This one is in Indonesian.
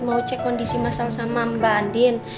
mau cek kondisi masal sama mbak andin